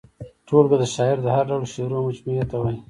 ټولګه د شاعر د هر ډول شعرو مجموعې ته وايي.